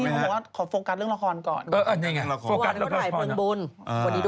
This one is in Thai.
ภูมิบุญคนของของคุณยชาหรือ